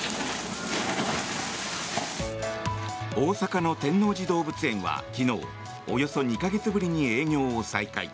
大阪の天王寺動物園は昨日およそ２か月ぶりに営業を再開。